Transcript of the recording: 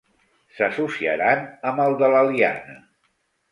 S'associaran amb el de la liana.